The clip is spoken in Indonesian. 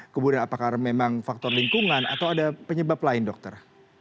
kemudian apakah memang faktor lingkungan atau ada penyebab lain dokter